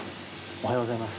おはようございます。